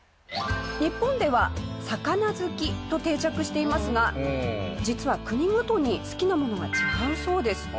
日本では魚好きと定着していますが実は国ごとに好きなものが違うそうです。